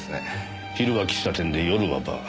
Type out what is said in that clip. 昼は喫茶店で夜はバー。